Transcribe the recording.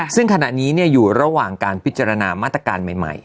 ซึ่งขณะนี้อยู่ระหว่างการพิจารณามาตรการใหม่